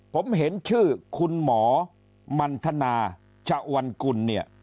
ผมเห็นชื่อคุณหมอมันทนาชะวันกุลเนี่ย